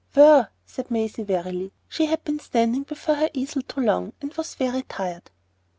"Where?" said Maisie, wearily. She had been standing before her easel too long, and was very tired.